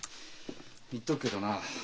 言っとくけどな